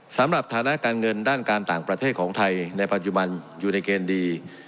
สถานะการเงินด้านการต่างประเทศของไทยในปัจจุบันอยู่ในเกณฑ์ดี